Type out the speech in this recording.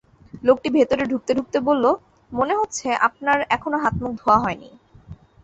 লোকটি ভেতরে ঢুকতে-ঢুকতে বলল, মনে হচ্ছে আপনার এখনো হাত-মুখ ধোয়া হয় নি।